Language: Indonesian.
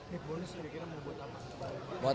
bonus yang dikira buat apa